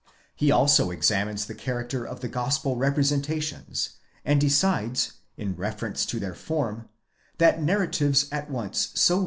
He also examines the character of the gospel representa tions, and decides, in reference to their form, that narratives at once so.